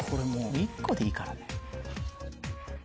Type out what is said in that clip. １個でいいからね。